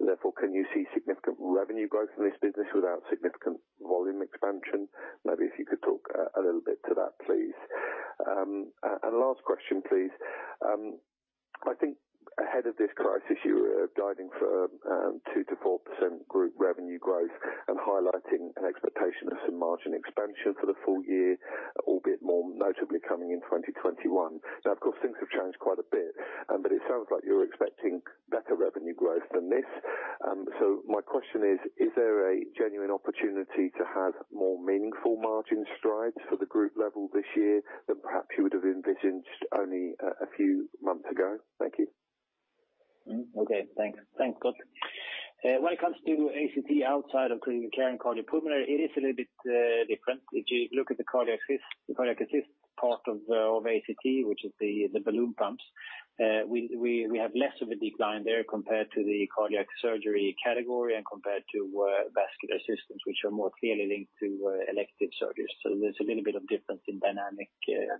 Therefore, can you see significant revenue growth in this business without significant volume expansion? Maybe if you could talk a little bit to that, please. Last question, please. I think ahead of this crisis, you were guiding for 2%-4% group revenue growth and highlighting an expectation of some margin expansion for the full year, albeit more notably coming in 2021. Now, of course, things have changed quite a bit, but it sounds like you're expecting better revenue growth than this. My question is, is there a genuine opportunity to have more meaningful margin strides for the group level this year than perhaps you would have envisaged only a few months ago? Thank you. Okay. Thanks. Thanks, Scott. When it comes to ACT outside of critical care and cardiopulmonary, it is a little bit different. If you look at the cardiac assist part of ACT, which is the balloon pumps, we have less of a decline there compared to the cardiac surgery category and compared to vascular systems, which are more clearly linked to elective surgeries. There is a little bit of difference in dynamic there.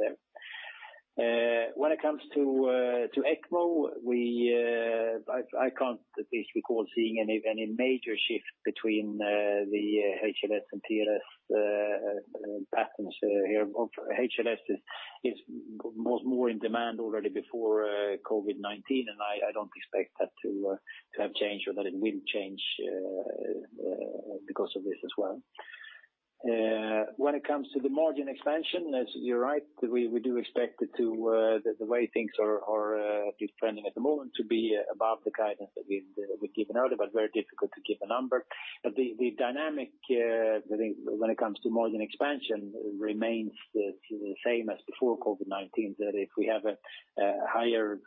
When it comes to ECMO, I cannot at least recall seeing any major shift between the HLS and PLS patterns here. HLS was more in demand already before COVID-19, and I don't expect that to have changed or that it will change because of this as well. When it comes to the margin expansion, as you're right, we do expect that the way things are trending at the moment to be above the guidance that we've given out, but very difficult to give a number. The dynamic, I think, when it comes to margin expansion remains the same as before COVID-19, that if we have a higher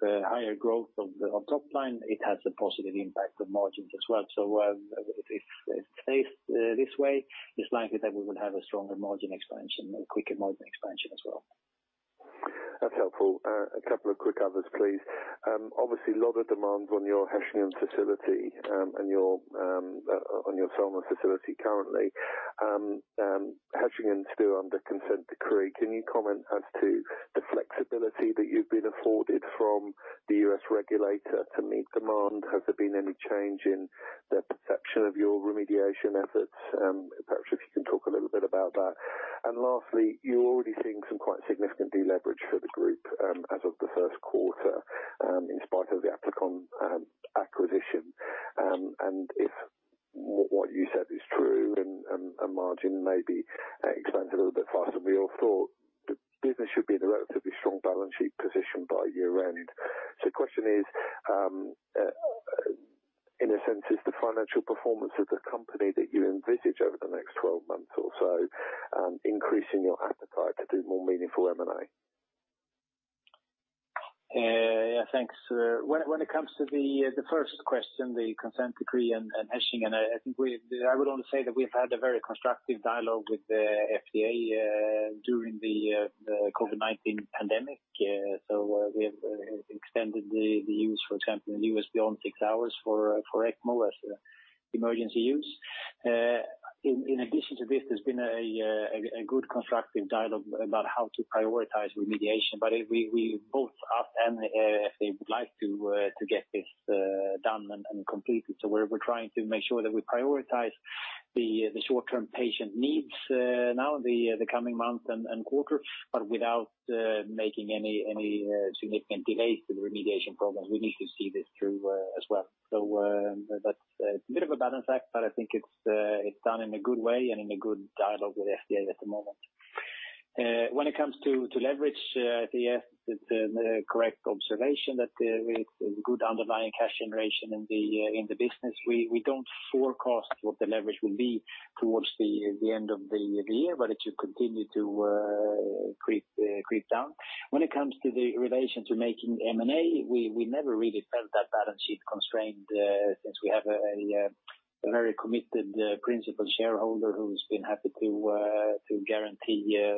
growth of the top line, it has a positive impact on margins as well. If it stays this way, it's likely that we will have a stronger margin expansion, a quicker margin expansion as well. That's helpful. A couple of quick others, please. Obviously, a lot of demand on your Hechingen facility and on your Solna facility currently. Hechingen is still under consent decree. Can you comment as to the flexibility that you've been afforded from the U.S. regulator to meet demand? Has there been any change in their perception of your remediation efforts? Perhaps if you can talk a little bit about that. Lastly, you're already seeing some quite significant deleverage for the group as of the first quarter in spite of the Applikon acquisition. If what you said is true and margin maybe expands a little bit faster, we all thought the business should be in a relatively strong balance sheet position by year-end. The question is, in a sense, is the financial performance of the company that you envisage over the next 12 months or so increasing your appetite to do more meaningful M&A? Yeah. Thanks. When it comes to the first question, the consent decree and Hechingen, I think I would only say that we've had a very constructive dialogue with the FDA during the COVID-19 pandemic. We have extended the use, for example, in the U.S., beyond six hours for ECMO as emergency use. In addition to this, there's been a good constructive dialogue about how to prioritize remediation. We both asked and they would like to get this done and completed. We are trying to make sure that we prioritize the short-term patient needs now in the coming months and quarter, but without making any significant delays to the remediation programs. We need to see this through as well. That is a bit of a balance act, but I think it's done in a good way and in a good dialogue with the FDA at the moment. When it comes to leverage, I think it's a correct observation that there is good underlying cash generation in the business. We don't forecast what the leverage will be towards the end of the year, but it should continue to creep down. When it comes to the relation to making M&A, we never really felt that balance sheet constrained since we have a very committed principal shareholder who has been happy to guarantee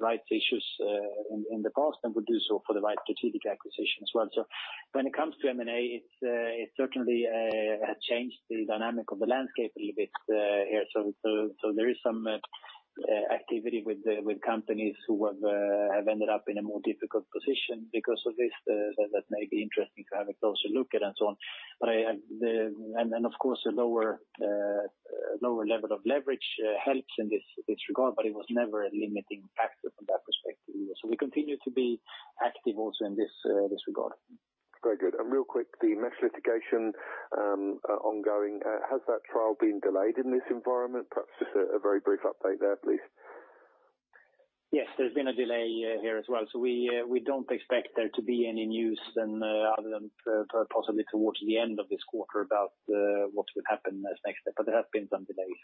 rights issues in the past and would do so for the right strategic acquisition as well. When it comes to M&A, it certainly has changed the dynamic of the landscape a little bit here. There is some activity with companies who have ended up in a more difficult position because of this. That may be interesting to have a closer look at and so on. Of course, a lower level of leverage helps in this regard, but it was never a limiting factor from that perspective. We continue to be active also in this regard. Very good. Real quick, the mesh litigation ongoing, has that trial been delayed in this environment? Perhaps just a very brief update there, please. Yes. There has been a delay here as well. We do not expect there to be any news other than possibly towards the end of this quarter about what will happen next step. There have been some delays.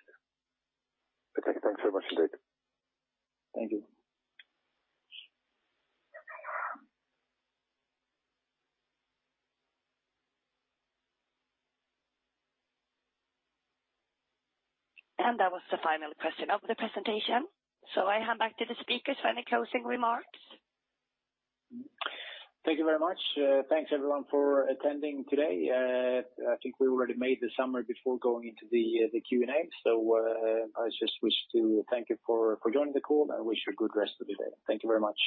Okay. Thanks very much indeed. That was the final question of the presentation. I hand back to the speakers for any closing remarks. Thank you very much. Thanks, everyone, for attending today. I think we already made the summary before going into the Q&A. I just wish to thank you for joining the call and wish you a good rest of the day. Thank you very much.